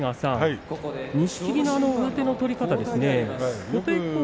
錦木の上手の取り方ですね。